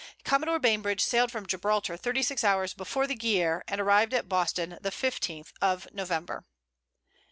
Commodore Bainbridge sailed from Gibraltar thirty six hours before the Guerriere, and arrived at Boston the 15th of November.